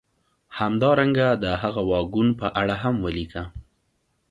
همدارنګه د هغه واګون په اړه هم ولیکه